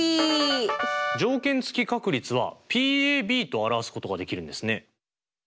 条件付き確率はＰと表すことができるんですね。